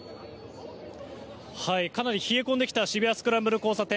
かなり冷え込んできた渋谷・スクランブル交差点。